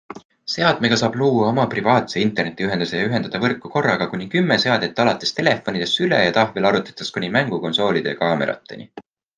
Seadmega saab luua oma privaatse internetiühenduse ja ühendada võrku korraga kuni kümme seadet alates telefonidest, süle- ja tahvelarvutitest kuni mängukonsoolide ja kaamerateni.